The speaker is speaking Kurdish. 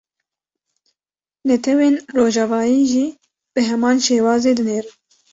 Netewên rojavayî jî bi heman şêwazê dinêrin